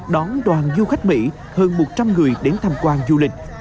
đón đoàn du khách mỹ hơn một trăm linh người đến tham quan du lịch